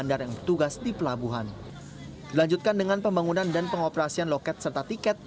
pergulatan josua dengan maut akhirnya berakhir